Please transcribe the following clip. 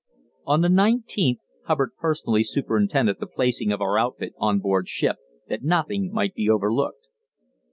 On the 19th Hubbard personally superintended the placing of our outfit on board ship, that nothing might be overlooked.